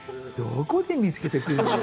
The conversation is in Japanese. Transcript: どこで見付けてくるのか。